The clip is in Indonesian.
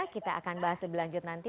kita akan bahas lebih lanjut nanti